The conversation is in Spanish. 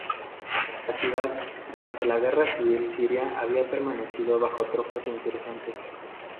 La ciudad, durante la Guerra civil siria había permanecido bajo tropas insurgentes.